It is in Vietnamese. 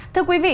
thưa quý vị